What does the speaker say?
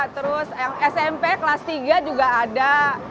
terus yang smp kelas tiga juga ada